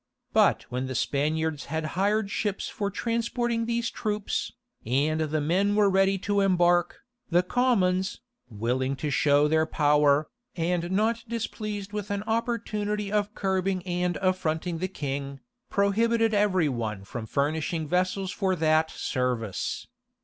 But when the Spaniards had hired ships for transporting these troops, and the men were ready to embark, the commons, willing to show their power, and not displeased with an opportunity of curbing and affronting the king, prohibited every one from furnishing vessels for that service.